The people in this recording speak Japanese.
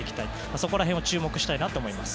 そこら辺を注目していきたいと思います。